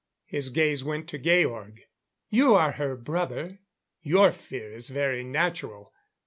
His gaze went to Georg. "You are her brother your fear is very natural.